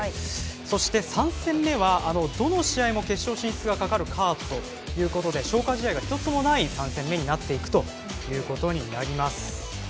そして、３戦目はどの試合も決勝進出が懸かるカードということで消化試合が１つもない３戦目になっていくということになります。